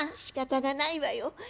「しかたがないわよ。